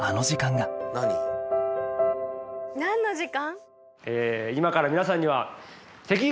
何の時間？